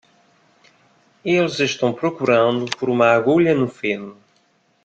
Eles estão procurando por uma agulha no feno.